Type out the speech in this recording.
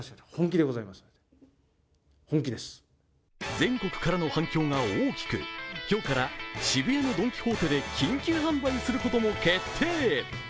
全国からの反響が大きく今日から渋谷のドン・キホーテで緊急販売することも決定。